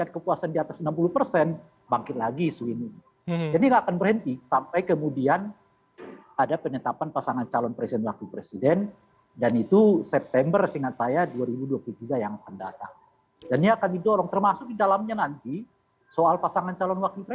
kalian datangnya aja dpr mpr